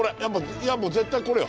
いやもう絶対これよ。